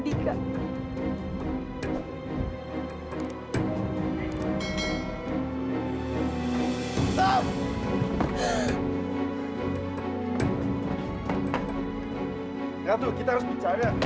enggak tuh kita harus bicara